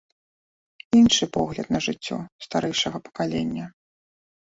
Іншы погляд на жыццё старэйшага пакалення.